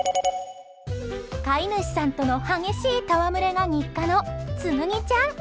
飼い主さんとの激しい戯れが日課のつむぎちゃん。